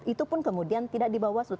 itu pun kemudian tidak di bawah seluruh